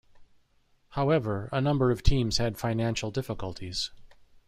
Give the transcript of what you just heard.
However, a number of teams had financial difficulties.